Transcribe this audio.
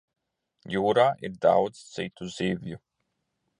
Jūrā ir daudz citu zivju.